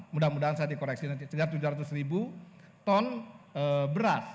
mudah mudahan saya dikoreksi nanti sekitar tujuh ratus ribu ton beras